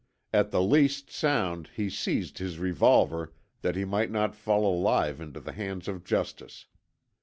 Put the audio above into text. At the least sound he seized his revolver that he might not fall alive into the hands of justice.